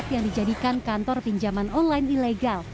yang dijadikan kantor pinjaman online ilegal